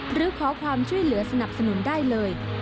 หรือขอความช่วยเหลือสนับสนุนได้เลย